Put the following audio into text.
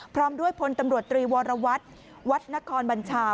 พร้อมด้วยพลตำรวจตรีวรวัตรวัดนครบัญชา